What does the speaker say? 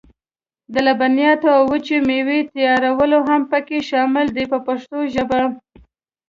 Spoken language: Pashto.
د لبنیاتو او وچې مېوې تیارول هم پکې شامل دي په پښتو ژبه.